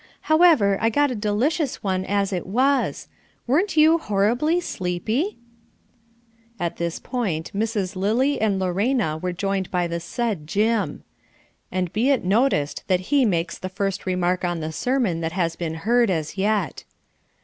However, I got a delicious one as it was. Weren't you horribly sleepy?" At this point Misses Lily and Lorena are joined by the said "Jim." And be it noticed that he makes the first remark on the sermon that has been heard as yet.